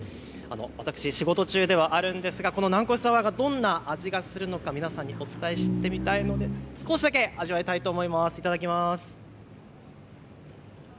私、仕事中ではあるんですが南越サワーがどんな味がするのか皆さんにお伝えしたいので少しだけ頂きます。